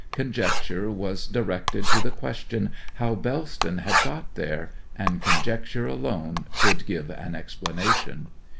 Conjecture was directed to the question how Bellston had got there; and conjecture alone could give an explanation.